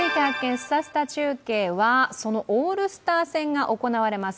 すたすた中継」はそのオールスター戦が行われます